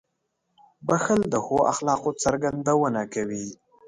• بښل د ښو اخلاقو څرګندونه کوي.